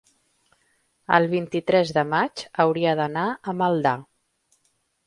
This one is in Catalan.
el vint-i-tres de maig hauria d'anar a Maldà.